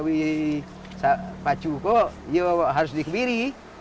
biasanya bila saja terbarukan malam seperti